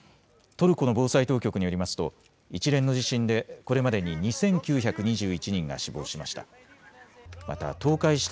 トルコの防災当局によりますと一連の地震でこれまでに２９２１人が死亡しました。